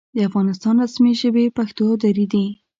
د افغانستان رسمي ژبې پښتو او دري دي.